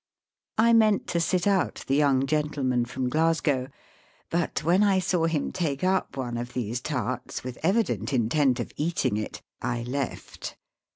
I meant to sit out the young gentleman from Glasgow ; but when I saw him take up one of these tarts with evident intent of eat ing it, I left.